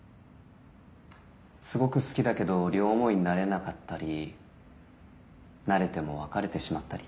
すごく好きだけど両思いになれなかったりなれても別れてしまったり。